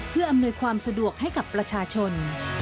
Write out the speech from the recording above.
เพื่ออำนวยความสะดวกให้กับประชาชน